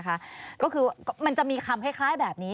ก็คือมันจะมีคำคล้ายแบบนี้